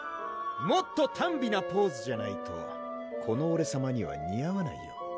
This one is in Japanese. もっと耽美なポーズじゃないとこのオレさまには似合わないよ